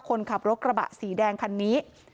คนขับรถกระบะสีแดงคันนี้